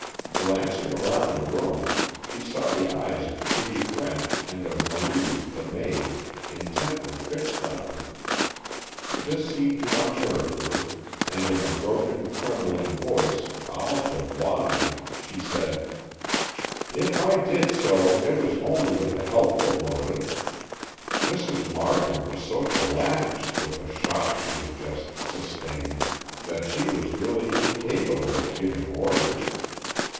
Glancing round the room, she saw the eyes of Kitty French and of Marie, the maid, intently fixed on her. This seemed to unnerve her, and in a broken, trembling voice, almost a whine, she said: "If I did so, it was only with a helpful motive. Mrs. Markham was so collapsed with the shock she had just sustained, that she was really incapable of giving orders.